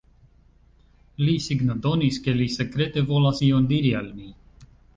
Li signodonis, ke li sekrete volas ion diri al mi.